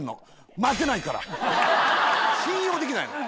信用できない。